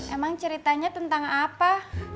emang ceritanya tentang apa